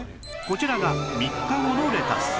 こちらが３日後のレタス